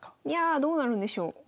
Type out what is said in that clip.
いやどうなるんでしょう？